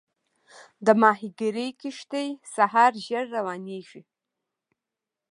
د ماهیګیري کښتۍ سهار زر روانېږي.